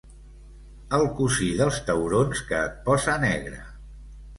El cosí dels taurons que et posa negre.